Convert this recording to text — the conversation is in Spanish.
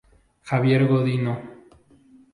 Javier Godino.